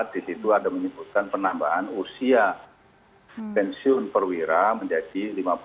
di situ ada menyebutkan penambahan usia pensiun perwira menjadi lima puluh